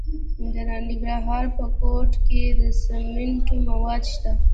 د ننګرهار په کوټ کې د سمنټو مواد شته.